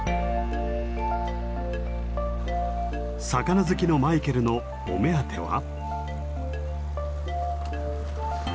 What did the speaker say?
魚好きのマイケルのお目当ては。